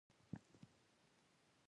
ژوند ماته یوازې هغه څه بېرته راکوي